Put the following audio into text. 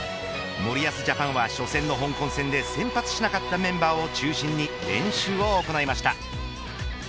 森保ジャパンは初戦の香港戦で先発しなかったメンバーを中心に練習を行いました。